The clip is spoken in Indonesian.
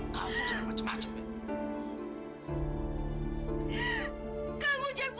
kalau aku memang memperkuasakan kamu